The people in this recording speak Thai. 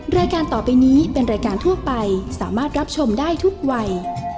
รายการต่อไปนี้เป็นรายการทั่วไปสามารถรับชมได้ทุกวัย